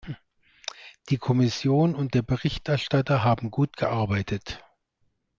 Die Kommission und der Berichterstatter haben gut gearbeitet.